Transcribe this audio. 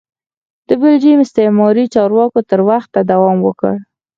د بلجیم استعماري چارواکو تر وخته دوام وکړ.